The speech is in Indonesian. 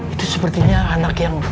itu sepertinya anak yang